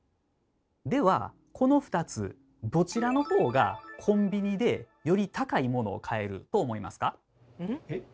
ではこの２つどちらのほうがコンビニでより高いものを買えると思いますか？え？